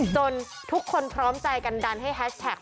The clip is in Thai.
ทุกคนพร้อมใจกันดันให้แฮชแท็ก